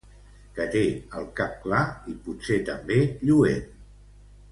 Que té el cap clar, i potser també lluent.